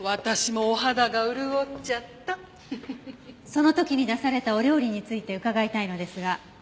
その時に出されたお料理について伺いたいのですが。